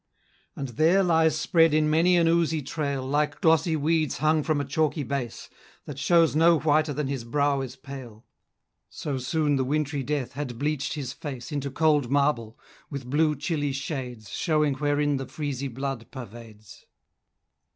And there lies spread in many an oozy trail, Like glossy weeds hung from a chalky base, That shows no whiter than his brow is pale; So soon the wintry death had bleach'd his face Into cold marble, with blue chilly shades, Showing wherein the freezy blood pervades.